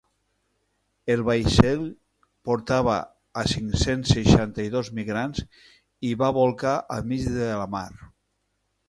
El vaixell portava a cinc-cents seixanta-dos migrants i va bolcar al mig de la mar.